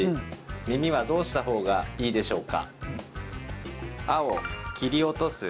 耳はどうした方がいいでしょうか。